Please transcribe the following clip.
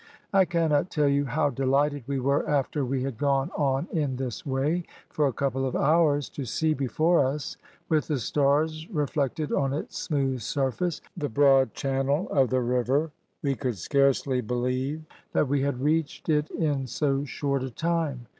I cannot tell you how delighted we were after we had gone on in this way for a couple of hours to see before us, with the stars reflected on its smooth surface, the broad channel of the river; we could scarcely believe that we had reached it in so short a time.